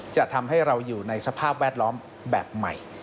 จะทำให้เราอยู่ในสภาพแวดล้อมแบบใหม่